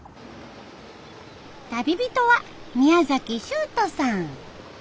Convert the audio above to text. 旅人は宮崎秋人さん。